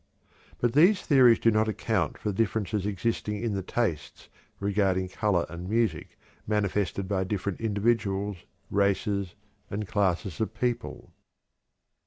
But these theories do not account for the differences existing in the tastes regarding color and music manifested by different individuals, races, and classes of people.